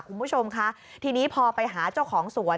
คุณผู้ชมค่ะทีนี้พอไปหาเจ้าของสวน